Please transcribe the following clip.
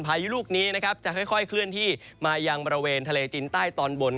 พายุลูกนี้นะครับจะค่อยเคลื่อนที่มายังบริเวณทะเลจินใต้ตอนบน